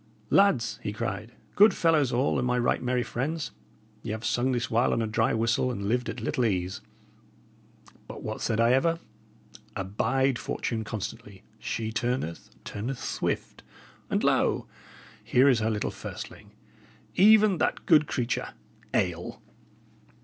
"Lads!" he cried, "good fellows all, and my right merry friends, y' have sung this while on a dry whistle and lived at little ease. But what said I ever? Abide Fortune constantly; she turneth, turneth swift. And lo! here is her little firstling even that good creature, ale!"